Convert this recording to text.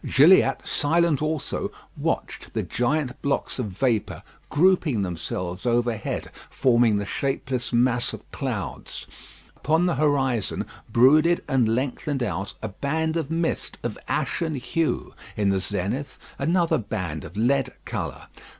Gilliatt, silent also, watched the giant blocks of vapour grouping themselves overhead forming the shapeless mass of clouds. Upon the horizon brooded and lengthened out a band of mist of ashen hue; in the zenith, another band of lead colour.